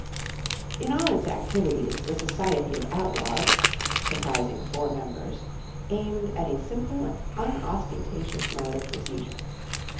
In all its activities the Society of Outlaws (comprising four members) aimed at a simple, unostentatious mode of procedure.